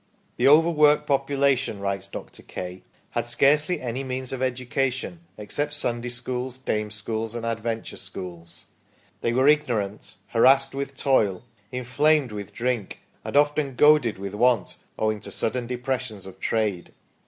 "The overworked population," writes Dr. Kay, " had scarcely any means of education, except Sunday schools, dame schools, and adventure schools. They were ignorant, harassed with toil, inflamed with drink, and often goaded with want, owing to sudden depressions of trade."